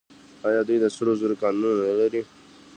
آیا دوی د سرو زرو کانونه نلري؟